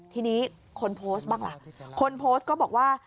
ทีนี้คนโพสต์บ้างล่ะคนโพสต์ก็บอกว่า